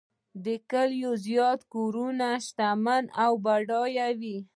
د کلي تر زیاتو کورنیو شتمنه او بډایه وه.